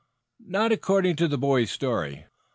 "Not according to the boy's story."